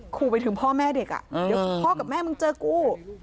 ขู่ไปถึงพ่อแม่เด็กอ่ะเดี๋ยวพ่อกับแม่มึงเจอกู